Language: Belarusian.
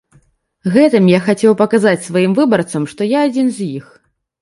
Гэтым я хацеў паказаць сваім выбарцам, што я адзін з іх.